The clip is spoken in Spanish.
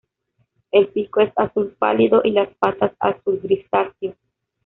El pico es azul pálido y las patas azul grisáceo.